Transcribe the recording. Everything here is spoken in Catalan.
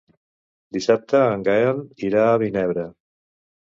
Dissabte en Gaël irà a Vinebre.